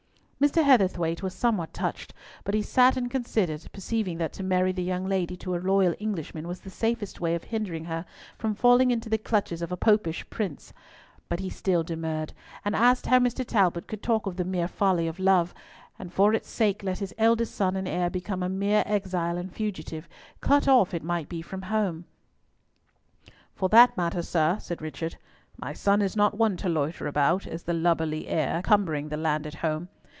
Mr. Heatherthwayte was somewhat touched, but he sat and considered, perceiving that to marry the young lady to a loyal Englishman was the safest way of hindering her from falling into the clutches of a Popish prince; but he still demurred, and asked how Mr. Talbot could talk of the mere folly of love, and for its sake let his eldest son and heir become a mere exile and fugitive, cut off, it might be, from home. "For that matter, sir," said Richard, "my son is not one to loiter about, as the lubberly heir, cumbering the land at home.